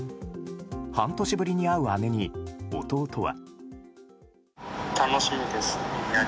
半年ぶりに会う姉に、弟は。